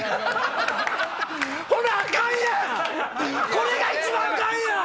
これが一番アカンやん！